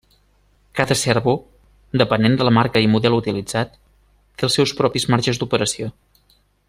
Cada servo, depenent de la marca i model utilitzat, té els seus propis marges d'operació.